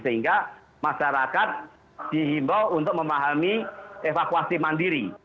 sehingga masyarakat dihimbau untuk memahami evakuasi mandiri